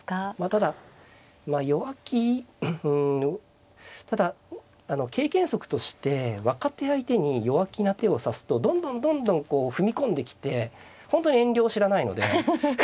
ただ弱気うんただ経験則として若手相手に弱気な手を指すとどんどんどんどん踏み込んできて本当に遠慮を知らないので。